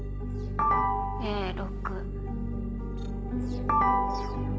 Ａ６。